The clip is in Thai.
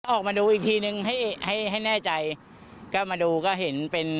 ออกมาดูอีกทีนึงให้ให้ให้แน่ใจก็มาดูก็เห็นเป็น